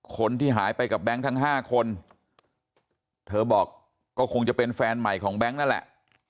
คนที่หายไปกับแบงค์ทั้ง๕คนเธอบอกก็คงจะเป็นแฟนใหม่ของแบงค์นั่นแหละ